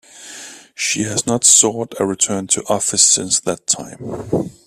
She has not sought a return to office since that time.